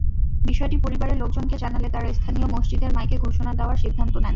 বিষয়টি পরিবারের লোকজনকে জানালে তাঁরা স্থানীয় মসজিদের মাইকে ঘোষণা দেওয়ার সিদ্ধান্ত নেন।